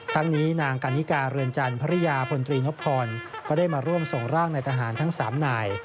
ทั้งนี้นางกันนิกาเรือนจันทร์ภรรยาพลตรีนพพรก็ได้มาร่วมส่งร่างนายทหารทั้ง๓นาย